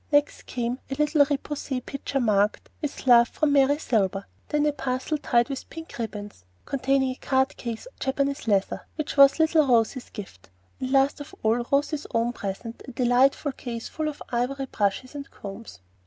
Next came a little repoussé pitcher marked, "With love from Mary Silver," then a parcel tied with pink ribbons, containing a card case of Japanese leather, which was little Rose's gift, and last of all Rose's own present, a delightful case full of ivory brushes and combs.